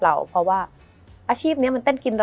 มันทำให้ชีวิตผู้มันไปไม่รอด